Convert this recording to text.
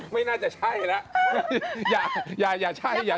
ไม่น่าจะใช่ละอย่าใช่มัน